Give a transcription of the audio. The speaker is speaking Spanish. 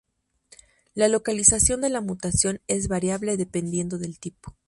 La localización de la mutación es variable dependiendo del tipo.